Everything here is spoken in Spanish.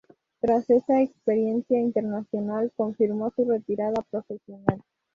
Tras esa experiencia internacional, confirmó su retirada profesional.